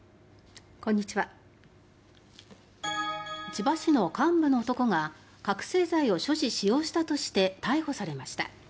千葉市の幹部の男が覚せい剤を所持、使用したとして逮捕されました。